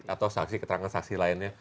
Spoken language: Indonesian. atau saksi keterangan saksi lainnya